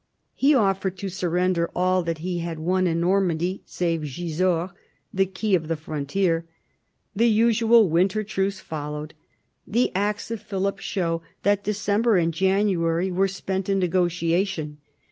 He offered to surrender all that he had won in Normandy save Gisors, the key of the frontier. The usual winter truce followed. The acts of Philip show that December and January were spent in negotia tion.